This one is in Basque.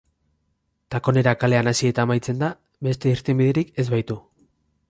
Takonera kalean hasi eta amaitzen da, beste irtenbiderik ez baitu.